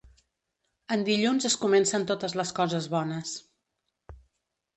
En dilluns es comencen totes les coses bones.